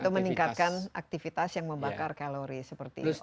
atau meningkatkan aktivitas yang membakar kalori seperti itu